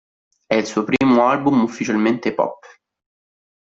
È il suo primo album ufficialmente pop.